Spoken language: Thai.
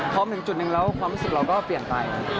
หนึ่งจุดหนึ่งแล้วความรู้สึกเราก็เปลี่ยนไป